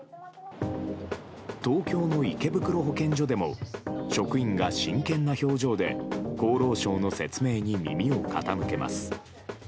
東京の池袋保健所でも職員が真剣な表情で、厚労省の説明に耳を傾けます。